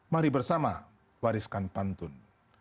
mari bersama wariskan pantun